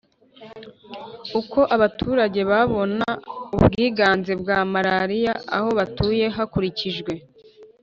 Uko abaturage babona ubwiganze bwa malariya aho batuye hakurikijwe